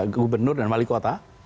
gubernur dan wali kota